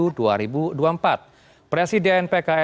presiden pks dihadiri puluhan ribu kader di istora senenjakarta